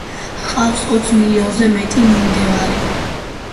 ჰყავს ოც მილიონზე მეტი მიმდევარი.